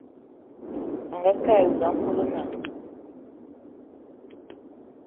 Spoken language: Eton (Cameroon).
Angakë awula a nkòt nnam